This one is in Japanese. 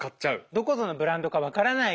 どこぞのブランドか分からない